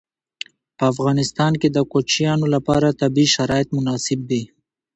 په افغانستان کې د کوچیانو لپاره طبیعي شرایط مناسب دي.